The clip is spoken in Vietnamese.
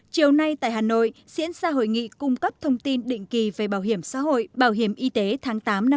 chiều nay tại hà nội diễn ra hội nghị cung cấp thông tin định kỳ về bảo hiểm xã hội bảo hiểm y tế tháng tám năm hai nghìn hai mươi